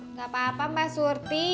nggak apa apa mbak surti